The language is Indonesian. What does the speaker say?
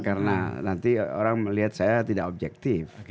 karena nanti orang melihat saya tidak objektif